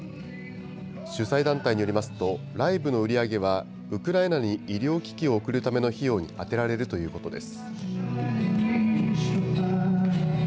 主催団体によりますと、ライブの売り上げはウクライナに医療機器を送るための費用に充てられるということです。